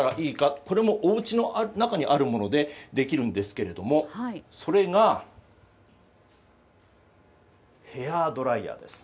これも、おうちの中にあるものでできるんですがそれが、ヘアドライヤーです。